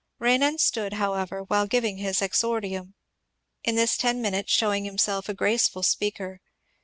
Re nan stood, however, while giving his exordium, in this ten minutes showing himself a graceful speaker.